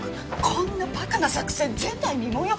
こんなバカな作戦前代未聞よ！？